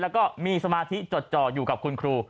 แล้วก็มีสมาธิจดจ่ออยู่กับคุณครู